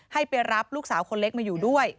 ให้ไปรับลูกสาวคนเล็กมาอยู่ด้วย